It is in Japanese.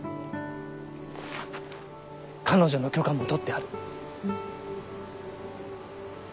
彼女の許可もとってある。